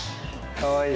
かわいい！